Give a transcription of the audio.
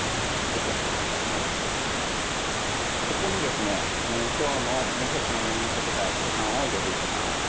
そして、ここに今日のもう１つのメイン食材ごはんを入れていきます。